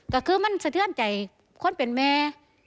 ก็คือมันสะเทือนใจคนเป็นแม่